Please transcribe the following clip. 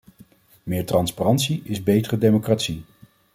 Meer transparantie is betere democratie.